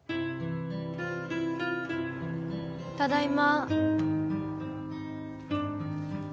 ただいま。